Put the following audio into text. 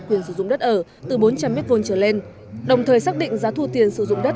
quyền sử dụng đất ở từ bốn trăm linh m hai trở lên đồng thời xác định giá thu tiền sử dụng đất